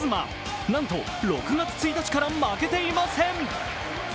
なんと６月１日から負けていません。